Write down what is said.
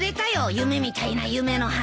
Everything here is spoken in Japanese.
夢みたいな夢の話。